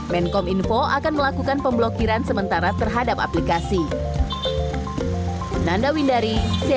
menkom info akan melakukan pemblokiran sementara terhadap aplikasi